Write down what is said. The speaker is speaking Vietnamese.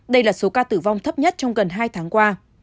đây là số ca tử vong thấp nhất trong gần hai tháng qua